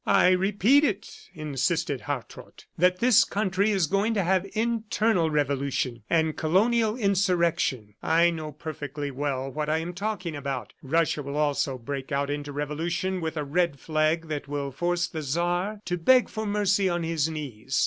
"I repeat it," insisted Hartrott, "that this country is going to have internal revolution and colonial insurrection. I know perfectly well what I am talking about. ... Russia also will break out into revolution with a red flag that will force the Czar to beg for mercy on his knees.